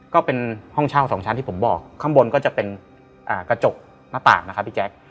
ก็เป็นห้องเช่าสองชั้นที่ผมบอกข้างบนก็จะเป็นกระจกหน้าต่างนะครับพี่แจ๊ค